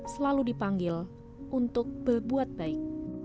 selalu dipanggil untuk berbuat baik